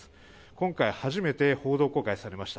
今回、初めて報道公開されました。